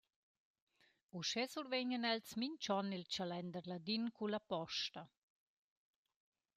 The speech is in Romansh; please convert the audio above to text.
Uschè survegnan els minch’on il Chalender Ladin culla posta.